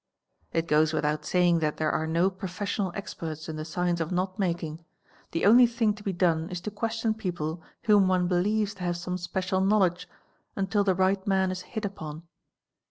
/ goes without saying that there are no professional experts in the sence of knot making; the only thing to be done is to question people hom one believes to have some special knowledge until the right man hit upon.